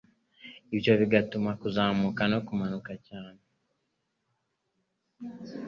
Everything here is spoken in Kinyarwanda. ibyo bigatuma kuzamuka no kumanuka cyane